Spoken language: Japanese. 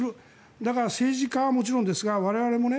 だから、政治家はもちろんですが我々もね